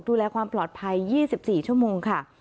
ดูแลความปลอดภัย๒๔ชั่วโมงค่ะ